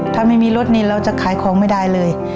ถ้าไม่มีรถนี่เราจะขายของไม่ได้เลย